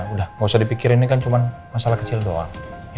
udah gak usah dipikirin ini kan cuma masalah kecil doang